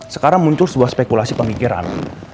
sekarang muncul sebuah spekulasi pemikiran